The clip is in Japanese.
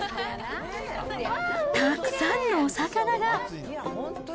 たくさんのお魚が。